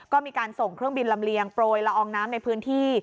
ก็มีการส่งเครื่องบินลำเลียงโปรยละอองน้ำในพื้นที่